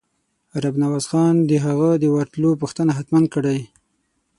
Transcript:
رب نواز خان د هغه د ورتلو پوښتنه حتماً کړې.